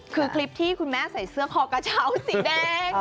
คือคลิปที่คุณแม่ใส่เสื้อคอกระเช้าสีแดง